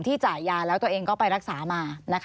จ่ายยาแล้วตัวเองก็ไปรักษามา